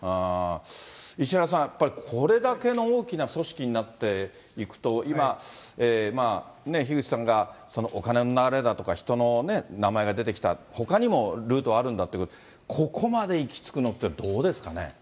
石原さん、やっぱりこれだけの大きな組織になっていくと今、樋口さんがお金の流れだとか人の名前が出てきた、ほかにもルートあるんだって、ここまで行きつくのってどうですかね。